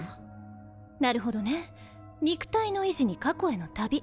なるほどね肉体の維持に過去への旅。